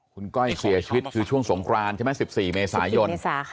คุณก้อยเสียชีวิตคือช่วงสงครานใช่ไหม๑๔เมษายน